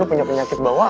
lo punya penyakit bawaan